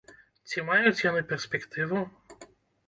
Ці маюць яны перспектыву?